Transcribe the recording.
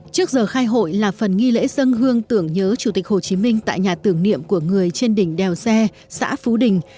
trước giờ khai hội là phần nghi lễ dân hương tưởng nhớ chủ tịch hồ chí minh tại nhà tưởng niệm của người trên đỉnh đèo xe xã phú đình